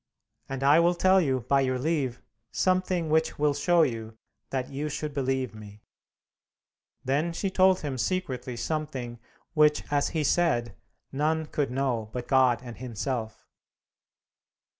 And I will tell you by your leave, something which will show you that you should believe me." Then she told him secretly something which, as he said, none could know but God and himself.